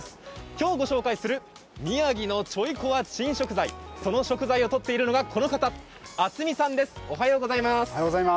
今日ご紹介する宮城のちょいコワ珍食材、その食材をとっているのが、この方渥美さんです。